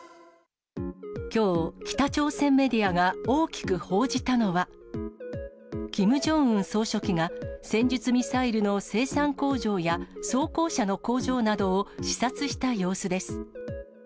きょう、北朝鮮メディアが大きく報じたのは、キム・ジョンウン総書記が、戦術ミサイルの生産工場や装甲車の工場などを視察した様子です。